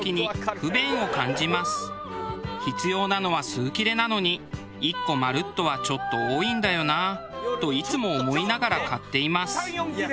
必要なのは数切れなのに１個まるっとはちょっと多いんだよなといつも思いながら買っています。